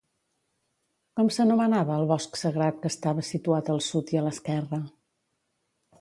Com s'anomenava el bosc sagrat que estava situat al sud i a l'esquerra?